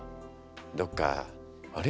どっか「あれ？